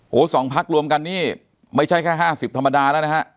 โหสองพักรวมกันนี้ไม่ใช่แค่ห้าสิบธรรมดาแล้วนะฮะ